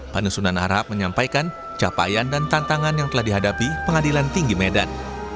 penyusunan harap menyampaikan capaian dan tantangan yang telah dihadapi pengadilan tinggi medan